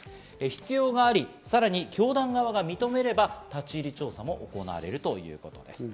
必要があり、さらに教団側が認めれば立ち入り調査も行われるということです。